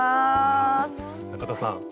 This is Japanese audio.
中田さん